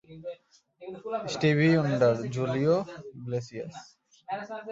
স্টিভি wonder, Julio Iglesias.